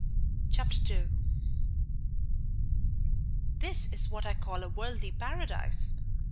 Chapter II "This is what I call a worldly paradise!"